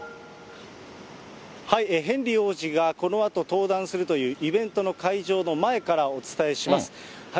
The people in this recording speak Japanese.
ヘンリー王子がこのあと登壇するというイベントの会場の前からお伝えします。